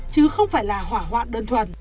chứ không phải là hỏa hoạn đơn thuần